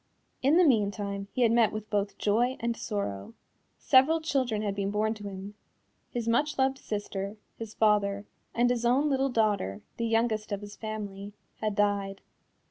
In the meantime he had met with both joy and sorrow. Several children had been born to him. His much loved sister, his father, and his own little daughter, the youngest of his family, had died.